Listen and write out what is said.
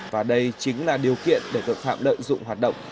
và đây chính là điều kiện để tội phạm lợi dụng hoạt động